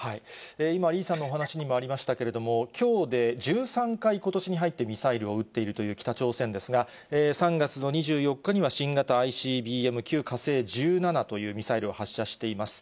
今、リーさんのお話にもありましたけれども、きょうで１３回、ことしに入ってミサイルを撃っているという北朝鮮ですが、３月の２４日には新型ＩＣＢＭ級火星１７というミサイルを発射しています。